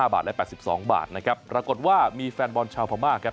บาทและ๘๒บาทนะครับปรากฏว่ามีแฟนบอลชาวพม่าครับ